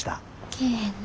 来えへんな。